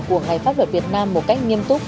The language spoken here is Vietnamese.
của ngày pháp luật việt nam một cách nghiêm túc